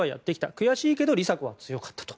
悔しいけど梨紗子は強かったと。